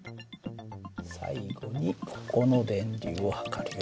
最後にここの電流を測るよ。